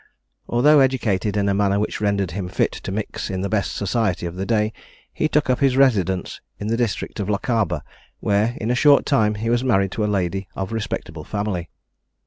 Although educated in a manner which rendered him fit to mix in the best society of the day, he took up his residence in the district of Lochaber, where, in a short time, he was married to a lady of respectable family.